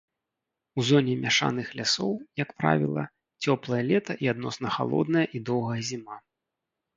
У зоне мяшаных лясоў, як правіла, цёплае лета і адносна халодная і доўгая зіма.